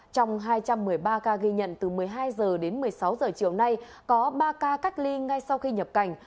trong hai trăm một mươi ba ca ghi nhận từ một mươi hai h đến một mươi sáu h chiều nay có ba ca cách ly ngay sau khi nhập cảnh